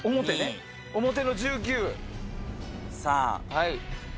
はい。